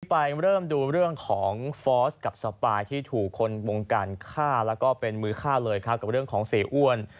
ไปเริ่มดูเรื่องของฟอสกับสปายที่ถูกคนวงการฆ่าแล้วก็เป็นมือฆ่าเลยครับกับเรื่องของเสียอ้วน